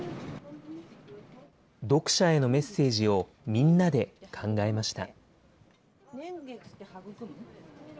読者へのメッセージをみんなで考えました。